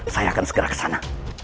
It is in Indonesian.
saya akan segera kesana